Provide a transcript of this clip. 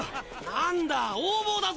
・何だぁ横暴だぞ。